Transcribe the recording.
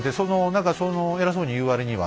何かその偉そうに言う割には。